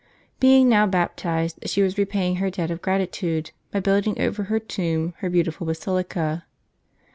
Being now baptized, she was repaying her debt of gratitude, by building over her tomb her beautiful basilica.